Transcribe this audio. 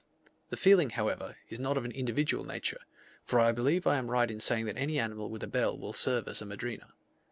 The feeling, however, is not of an individual nature; for I believe I am right in saying that any animal with a bell will serve as a madrina.